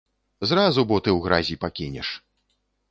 Зразу боты ў гразі пакінеш.